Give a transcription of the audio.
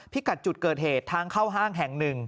พิกัดจุดเกิดเหตุทางเข้าห้างแห่ง๑